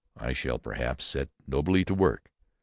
I shall, perhaps, set nobly to work."